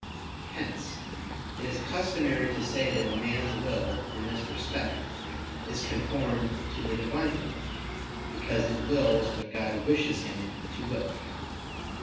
Hence it is customary to say that a man's will, in this respect, is conformed to the Divine will, because it wills what God wishes him to will.